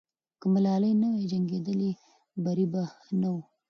که ملالۍ نه وای جنګېدلې، بری به نه وو.